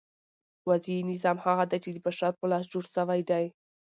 وضعي نظام هغه دئ، چي د بشر په لاس جوړ سوی دئ.